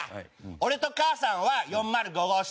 俺と母さんは４０５号室。